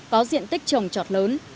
có diện tích trồng trọt lớn